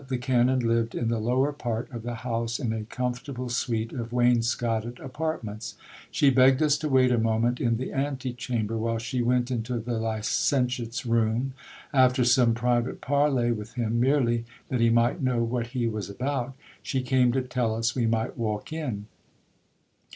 The canon lived in the lower part of the house, in a comfortable suite of wainscotted apartments. She begged us to wait a moment in the anti chamber, while she went into the licentiate's room. After some private parley with him, merely that he might know what he was about, she came to tell us we might walk in.